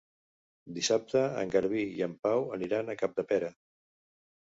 Dissabte en Garbí i en Pau aniran a Capdepera.